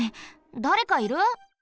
だれかいる？